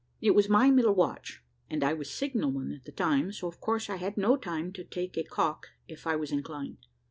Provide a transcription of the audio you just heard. It was my middle watch, and I was signalman at the time, so of course I had no time to take a caulk if I was inclined.